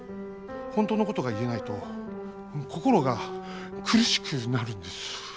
本当のことが言えないと心が苦しくなるんです。